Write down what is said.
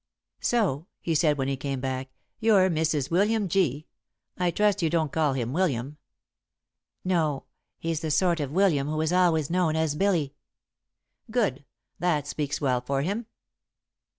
"So," he said, when he came back, "you're Mrs. William G. I trust you don't call him 'William'?" [Sidenote: Mrs. William G.] "No he's the sort of William who is always known as 'Billy.'" "Good! That speaks well for him."